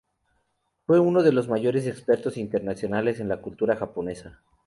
Fue uno de los mayores expertos internacionales en la cultura japonesa.